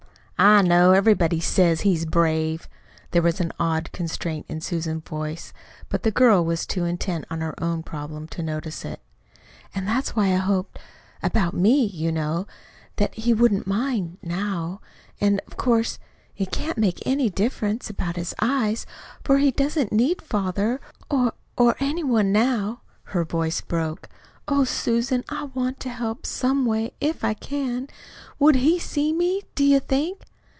"I know. Everybody says he's brave." There was an odd constraint in Susan's voice, but the girl was too intent on her own problem to notice it. "And that's why I hoped about me, you know that he wouldn't mind now. And, of course, it can't make any difference about his eyes, for he doesn't need father, or or any one now." Her voice broke. "Oh, Susan, I want to help, some way, if I can! WOULD he see me, do you think?"